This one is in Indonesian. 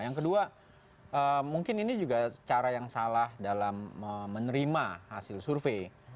yang kedua mungkin ini juga cara yang salah dalam menerima hasil survei